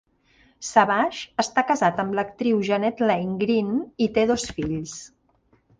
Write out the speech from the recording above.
Savage està casat amb l'actriu Janet-Laine Green, i té dos fills.